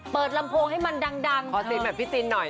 เปิดลำโพงให้มันดังขอเต็มแบบพี่จิ้นหน่อย